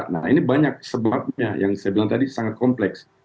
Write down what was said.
nah ini banyak sebabnya yang saya bilang tadi sangat kompleks